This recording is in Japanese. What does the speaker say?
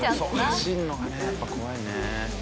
走るのがねやっぱ怖いね。